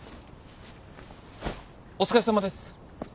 お疲れさまです。